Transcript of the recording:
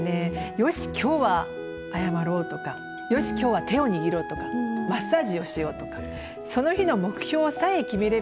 「よし今日は謝ろう」とか「よし今日は手を握ろう」とか「マッサージをしよう」とかその日の目標さえ決めれば何となく場がもつんですよね。